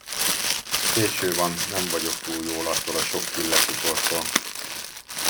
Késő van, nem vagyok túl jól attól a sok pillecukortól.